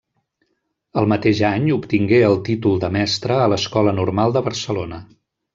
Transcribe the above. El mateix any obtingué el títol de mestra a l'Escola Normal de Barcelona.